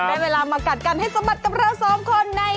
ได้เวลามากัดกันให้สะบัดกับเราสองคนใน